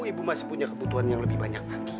ibu masih punya kebutuhan yang lebih banyak lagi